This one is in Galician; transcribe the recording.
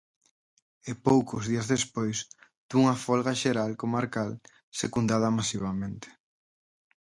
E poucos días despois dunha Folga Xeral comarcal secundada masivamente.